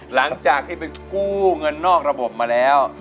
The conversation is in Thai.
หลังจากที่ไปกู้เงินนอกระบบมาแล้ว